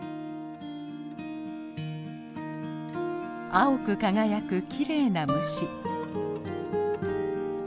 青く輝くきれいな虫。